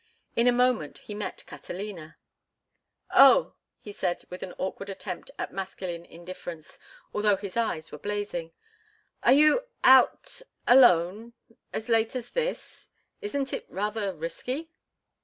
In a moment he met Catalina. "Oh," he said, with an awkward attempt at masculine indifference, although his eyes were blazing. "Are you out—alone—as late as this? Isn't it rather risky?"